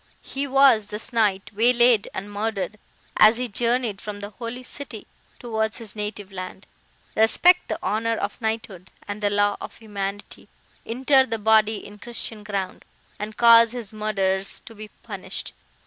He was, this night, waylaid and murdered, as he journeyed from the Holy City towards his native land. Respect the honour of knighthood and the law of humanity; inter the body in christian ground, and cause his murderers to be punished.